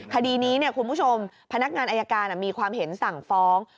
คดีนี้คุณผู้ชมพนักงานอายการมีความเห็นสั่งฟ้อง